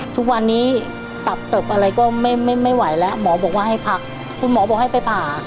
ทุกวันนี้ตับเติบอะไรก็ไม่ไม่ไหวแล้วหมอบอกว่าให้พักคุณหมอบอกให้ไปผ่า